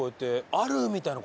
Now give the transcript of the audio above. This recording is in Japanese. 「ある！」みたいな事？